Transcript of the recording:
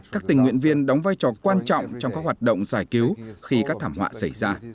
các tình nguyện viên đóng vai trò quan trọng trong các hoạt động giải cứu khi các thảm họa xảy ra